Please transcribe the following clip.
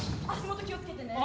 元気を付けてね。